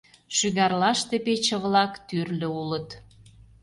Шӱгарлаште пече-влак тӱрлӧ улыт.